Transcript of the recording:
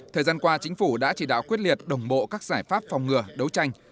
thời gian qua chính phủ đã chỉ đạo quyết liệt đồng bộ các giải pháp phòng ngừa đấu tranh